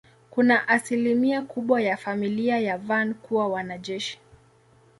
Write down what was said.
Kuna asilimia kubwa ya familia ya Van kuwa wanajeshi.